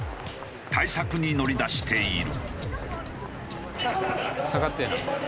対策に乗り出している。